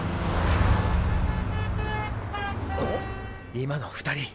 今の２人。